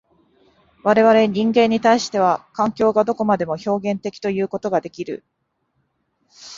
我々人間に対しては、環境がどこまでも表現的ということができる。